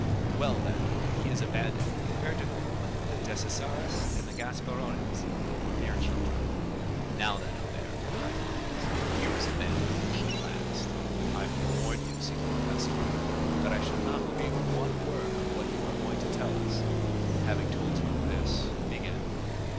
"Well, then, he is a bandit, compared to whom the Decesaris and the Gasparones were mere children." "Now then, Albert," cried Franz, "here is a bandit for you at last." "I forewarn you, Signor Pastrini, that I shall not believe one word of what you are going to tell us; having told you this, begin.